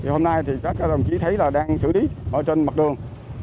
hôm nay các đồng chí thấy đang xử lý trên mặt đường